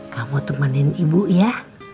kamu temanin ibu ya